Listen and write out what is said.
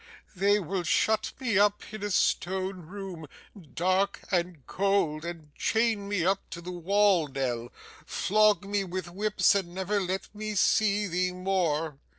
They will shut me up in a stone room, dark and cold, and chain me up to the wall, Nell flog me with whips, and never let me see thee more!